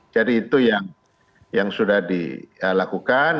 jadi itu yang sudah dilakukan